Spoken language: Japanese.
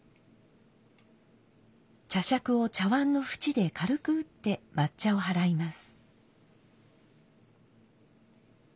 茶杓を茶碗の縁で軽く打って抹茶を払います。